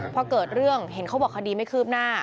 พอเกิดเรื่องเห็นเขาบอกคดีไม่คืบหน้า